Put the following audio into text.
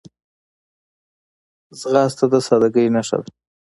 ځغاسته د سادګۍ نښه ده